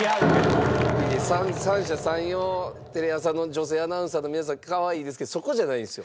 三者三様テレ朝の女性アナウンサーの皆さんかわいいですけどそこじゃないんですよ。